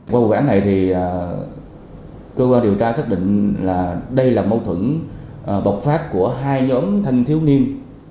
qua cuộc gãn này thì cơ quan điều tra xác định là đây là mâu thuẫn bọc phát của hai nhóm thanh thiếu niên